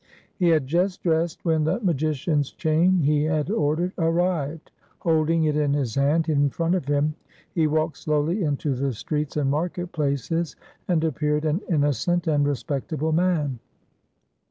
He had just dressed when the magician's chain he had ordered arrived. Holding it in his hand in front of him, he walked slowly into the streets and market places and appeared an innocent and respectable man.